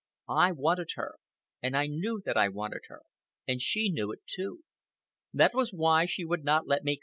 I wanted her, and I knew that I wanted her. And she knew it, too. That was why she would not let me come near her.